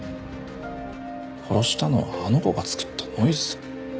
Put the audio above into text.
殺したのはあの子が作ったノイズだ。